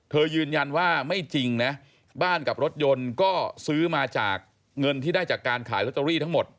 ยืนยันว่าไม่จริงนะบ้านกับรถยนต์ก็ซื้อมาจากเงินที่ได้จากการขายลอตเตอรี่ทั้งหมด